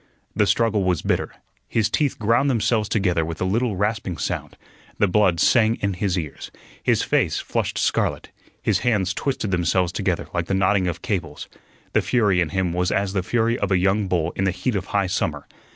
The struggle was bitter; his teeth ground themselves together with a little rasping sound; the blood sang in his ears; his face flushed scarlet; his hands twisted themselves together like the knotting of cables. The fury in him was as the fury of a young bull in the heat of high summer.